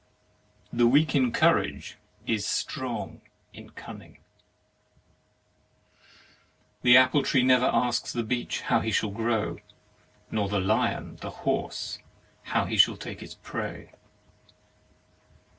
The weak in courage is strong in cunning. The apple tree never asks the beech how he shall grow, nor the lion the horse how he shall take his prey.